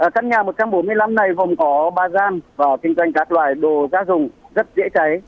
các nhà một trăm bốn mươi năm này vòng có ba gian và kinh doanh các loài đồ gia dùng rất dễ cháy